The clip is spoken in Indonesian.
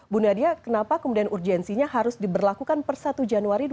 bu nadia kenapa kemudian urgensinya harus diberlakukan per satu januari dua ribu dua puluh